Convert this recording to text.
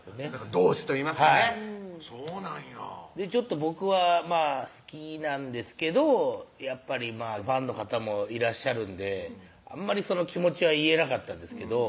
同志といいますかねはいそうなんや僕は好きなんですけどやっぱりファンの方もいらっしゃるんであんまり気持ちは言えなかったんですけど